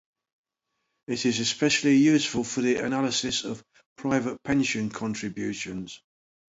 It is especially useful for the analysis of private pension contributions.